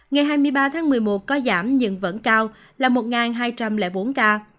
ngày hai mươi ba tháng một mươi một có giảm nhưng vẫn cao là một hai trăm linh bốn ca